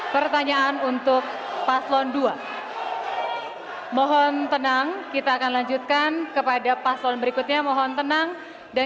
pertanyaan untuk paslon dua mohon tenang kita akan lanjutkan kepada paslon berikutnya mohon tenang dan